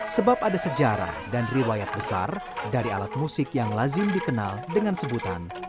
sebab ada sejarah dan riwayat besar dari alat musik yang lazim dikenal dengan sebutan